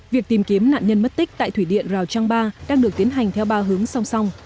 việc tìm kiếm nạn nhân mất tích tại thủy điện rào trăng ba đang được tiến hành theo ba hướng song song